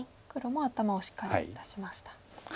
黒も頭をしっかり出しました。